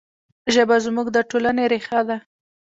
ژبه زموږ د ټولنې ریښه ده.